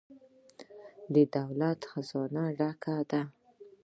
د دولت خزانه ډکه ده؟